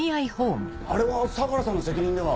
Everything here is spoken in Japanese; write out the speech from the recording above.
あれは相良さんの責任では。